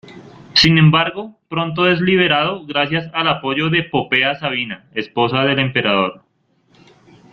Sin embargo, pronto es liberado gracias al apoyo de Popea Sabina, esposa del emperador.